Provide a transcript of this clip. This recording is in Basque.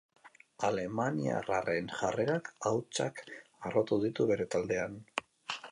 Alemaniarraren jarrerak hautsak arrotu ditu bere taldean.